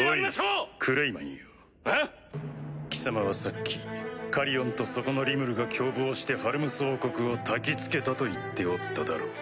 貴様はさっきカリオンとそこのリムルが共謀してファルムス王国をたきつけたと言っておっただろう？